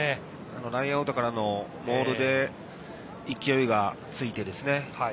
ラインアウトからのモールで勢いがついてですね。